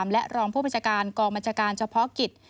และรองผู้บัญชาการกองบัญชาการเฉพาะกิจ